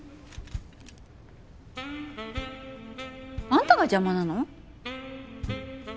あんたが邪魔なの？